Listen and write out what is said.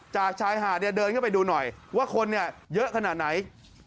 จากชายหาดเดินมาไปดูหน่อยว่าคนนี้เยอะขนาดไหน